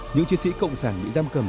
những chiến sĩ cộng sản mỹ giam cầm